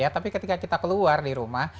tapi ketika kita keluar di rumah